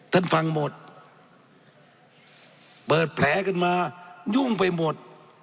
ท่านฟังหมดเปิดแผลกันมายุ่งไปหมด